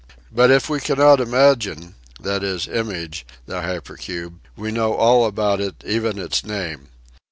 But if we cannot imagine — that is, image — the hyper cube we know all about it, even its name.